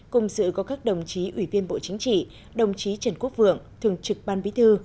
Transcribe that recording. cùng dự có các đồng chí ủy viên bộ chính trị đồng chí trần quốc vượng thường trực ban bí thư